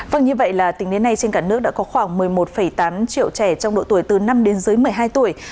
vâng như vậy là tính đến nay trên cả nước đã có khoảng một mươi một tám triệu trẻ trong độ tuổi từ năm đến dưới một mươi hai tuổi